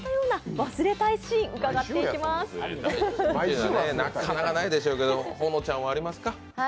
なかなかないでしょうけれども、保乃ちゃんはありますか？